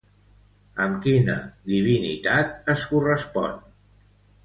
Amb quina divinitat es correspon?